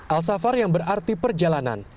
al safar yang berarti perjalanan